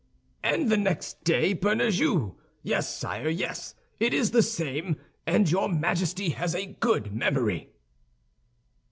"And the next day, Bernajoux. Yes, sire, yes, it is the same; and your Majesty has a good memory."